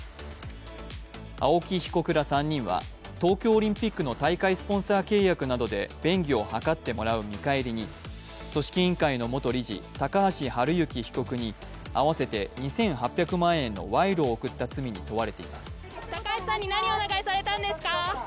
青木被告ら３人は、東京オリンピックの大会スポンサー契約などで便宜を図ってもらう見返りに組織委員会の元理事・高橋治之被告に合わせて２８００万円の賄賂を贈った罪に問われています。